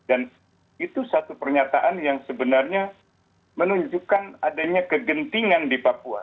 dan itu satu pernyataan yang sebenarnya menunjukkan adanya kegentingan di papua